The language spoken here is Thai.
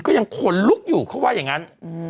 ก็ยังขนลุกอยู่เขาว่าอย่างนั้น